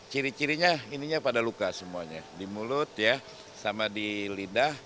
ciri cirinya ininya pada luka semuanya di mulut ya sama di lidah